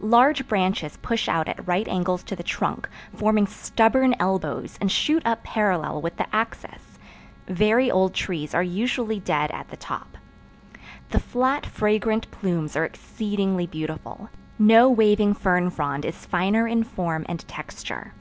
Large branches push out at right angles to the trunk, forming stubborn elbows and shoot up parallel with the axis. Very old trees are usually dead at the top. The flat fragrant plumes are exceedingly beautiful: no waving fern frond is finer in form and texture.